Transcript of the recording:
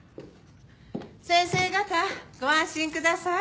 先生方ご安心ください。